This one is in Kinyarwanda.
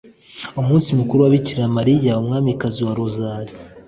umunsi mukuru wa bikira mariya umwamikazi wa rozali,